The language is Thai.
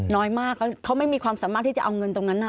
น้อยมากเขาไม่มีความสามารถที่จะเอาเงินตรงนั้น